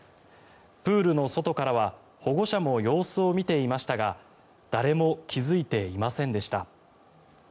プールの外からは保護者も様子を見ていましたが誰も気付いていませんでした。